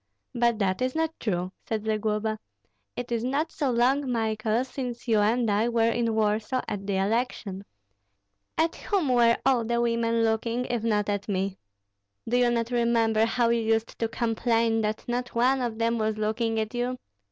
"But that is not true," said Zagloba. "It is not so long, Michael, since you and I were in Warsaw at the election. At whom were all the women looking if not at me? Do you not remember how you used to complain that not one of them was looking at you?